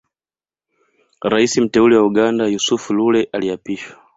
Rais mteule wa Uganda Yusuf Lule aliapishwa